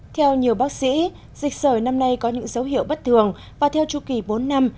theo nhiều bác sĩ dịch sởi năm nay có những dấu hiệu bất thường và theo chu kỳ bốn năm